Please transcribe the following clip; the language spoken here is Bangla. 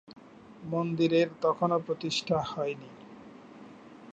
মন্দিরের তখনও প্রতিষ্ঠা হয়নি।